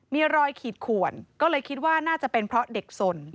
มีรอยขีดขวนก็เลยคิดว่าน่าจะเป็นเพราะเด็กสน